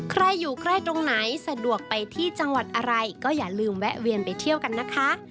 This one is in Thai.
อยู่ใกล้ตรงไหนสะดวกไปที่จังหวัดอะไรก็อย่าลืมแวะเวียนไปเที่ยวกันนะคะ